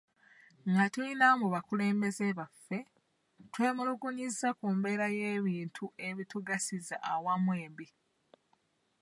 Nga tuyina mu bakulembeze baffe twemulugunyizza ku mbeera y'ebintu ebitugasiza awamu embi.